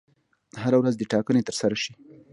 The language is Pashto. هره ورځ دي ټاکنې ترسره شي.